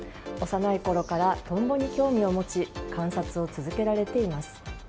幼いころからトンボに興味を持ち観察を続けられています。